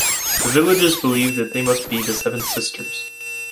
The villages believed that they must be the seven sisters.